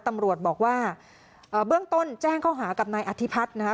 ตำรวจบอกว่าเบื้องต้นแจ้งข้อหากับนายอธิพัฒน์นะคะ